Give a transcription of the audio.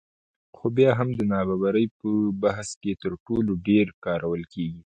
خو بیا هم د نابرابرۍ په بحث کې تر ټولو ډېر کارول کېږي